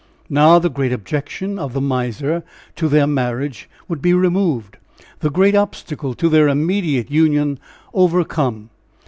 Now the great objection of the miser to their marriage would be removed the great obstacle to their immediate union overcome.